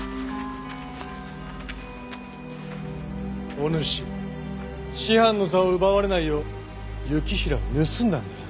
お主師範の座を奪われないよう行平を盗んだんだな？